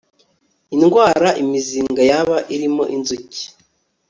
indwara imizinga yaba irimo inzuki